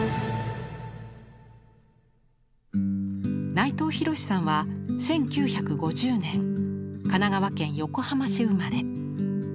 内藤廣さんは１９５０年神奈川県横浜市生まれ。